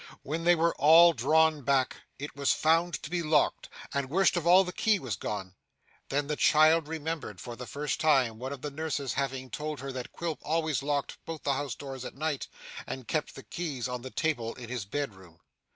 When they were all drawn back, it was found to be locked, and worst of all, the key was gone. Then the child remembered, for the first time, one of the nurses having told her that Quilp always locked both the house doors at night, and kept the keys on the table in his bedroom.